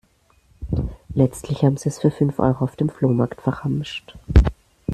Letztlich haben sie es für fünf Euro auf dem Flohmarkt verramscht.